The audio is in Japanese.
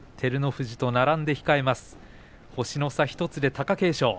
富士と並んで控えます星の差１つで貴景勝。